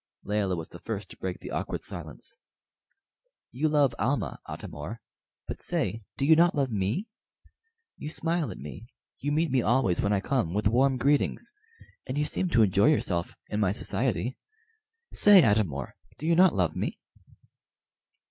Layelah was the first to break the awkward silence. "You love Almah, Atam or; but say, do you not love me? You smile at me, you meet me always when I come with warm greetings, and you seem to enjoy yourself in my society. Say, Atam or, do you not love me?"